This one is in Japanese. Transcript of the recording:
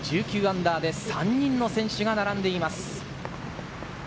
−１９で３人の選手が並んでいます。